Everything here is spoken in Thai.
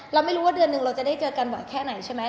เราไม่รู้ว่าเดือนหนึ่งเราจะได้เจอกันบ่อยแค่ไหนใช่ไหม